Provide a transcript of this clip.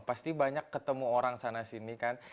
pasti banyak ketemu orang sana sini kan